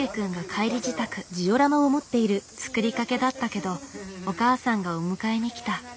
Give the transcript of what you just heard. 作りかけだったけどお母さんがお迎えに来た。